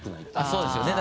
そうですよね